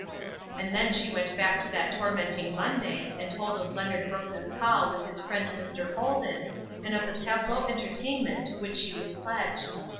And then she went back to that tormenting Monday, and told of Leonard Brooks' call with his friend Mr. Holden, and of the tableau entertainment to which she was pledged.